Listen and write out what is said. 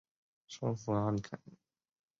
首府阿里卡。